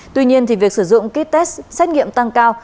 tuy nhiên việc sử dụng kit test xét nghiệm tăng cao